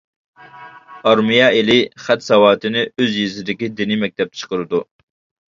ئارمىيە ئېلى خەت ساۋاتىنى ئۆز يېزىسىدىكى دىنىي مەكتەپتە چىقىرىدۇ.